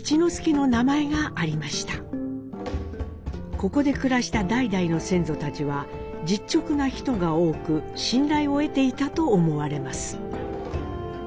ここで暮らした代々の先祖たちは実直な人が多く信頼を得ていたと思われます。